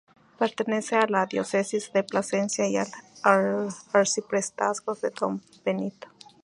Pertenece a la diócesis de Plasencia y al arciprestazgo de Don Benito.